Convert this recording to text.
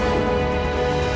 terima kasih pak hendrik